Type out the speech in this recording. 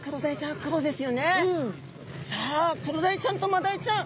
さあクロダイちゃんとマダイちゃん